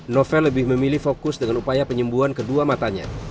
novel lebih memilih fokus dengan upaya penyembuhan kedua matanya